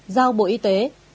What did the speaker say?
năm giao bộ y tế